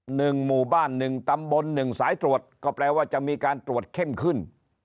หมู่บ้านหนึ่งตำบลหนึ่งสายตรวจก็แปลว่าจะมีการตรวจเข้มขึ้น